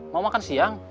mau makan siang